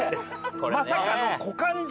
まさかの。